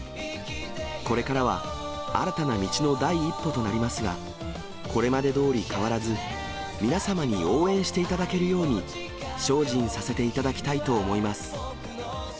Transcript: これからは新たな道の第一歩となりますが、これまでどおり変わらず、皆様に応援していただけるように精進させていただきたいと思います。